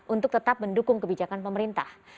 untuk tetap mendukung kebijakan pemerintah